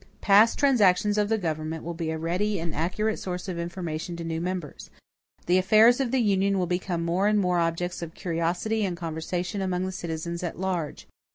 Past transactions of the government will be a ready and accurate source of information to new members. The affairs of the Union will become more and more objects of curiosity and conversation among the citizens at large.